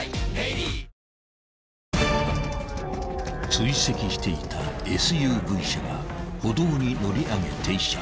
［追跡していたＳＵＶ車が歩道に乗り上げ停車］